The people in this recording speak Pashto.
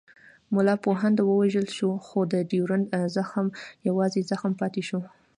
ملا پونده ووژل شو خو د ډیورنډ زخم یوازې زخم پاتې شو.